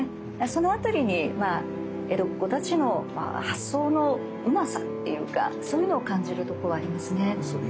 その辺りに江戸っ子たちの発想のうまさっていうかそういうのを感じるとこはありますね。